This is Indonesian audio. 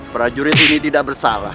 prajurit ini tidak bersalah